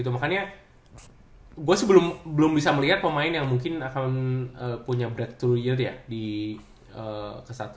makanya gue sih belum bisa melihat pemain yang mungkin akan punya breakthrough year ya di kesatu